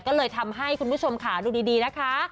ก็เลยทำให้คุณผู้ชมค่ะดูดีนะคะ